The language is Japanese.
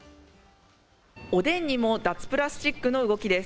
おでんにも脱プラスチックの動きです。